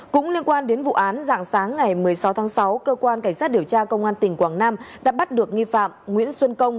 cũng liên quan đến vụ án dạng sáng ngày một mươi sáu tháng sáu cơ quan cảnh sát điều tra công an tỉnh quảng nam đã bắt được nghi phạm nguyễn xuân công